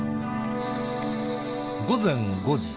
午前５時。